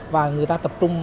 và người ta tập trung